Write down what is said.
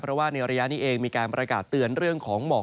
เพราะว่าในระยะนี้เองมีการประกาศเตือนเรื่องของหมอก